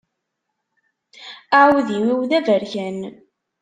Aεudiw-iw d aberkan.